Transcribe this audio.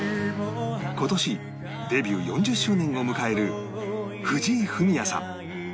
今年デビュー４０周年を迎える藤井フミヤさん